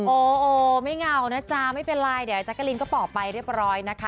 โอไม่เงานะจ๊ะไม่เป็นไรเดี๋ยวแจ๊กกะลินก็บอกไปเรียบร้อยนะคะ